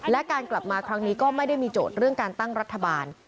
และการกลับมาครั้งนี้ก็ไม่ได้มีโจทย์เรื่องการตั้งรัฐบาล